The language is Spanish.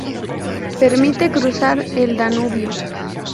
Permite cruzar el Danubio.